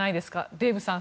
デーブさん